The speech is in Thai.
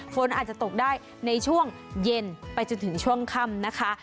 ฝนอาจจะตกได้ในช่วงเย็นไปจนถึงช่วงค่ำนะคะ